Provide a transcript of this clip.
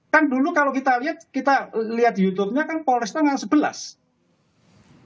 kan dulu kalau kita lihat di youtube nya kan polresnya dengan sebelas